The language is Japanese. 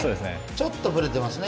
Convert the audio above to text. ちょっとブレてますね